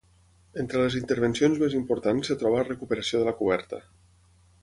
Entre les intervencions més importants es troba la recuperació de la coberta.